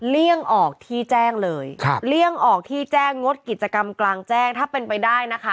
เลี่ยงออกที่แจ้งเลยครับเลี่ยงออกที่แจ้งงดกิจกรรมกลางแจ้งถ้าเป็นไปได้นะคะ